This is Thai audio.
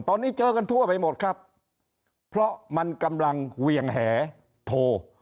ตอนนี้เจอกันทั่วไปหมดครับเพราะมันกำลังเวียงแหโทร